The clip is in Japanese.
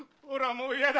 もう嫌だ！